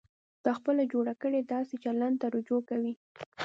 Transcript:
دا خپله جوړ کړي داسې چلند ته رجوع کوي.